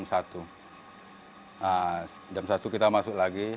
nah jam satu kita masuk lagi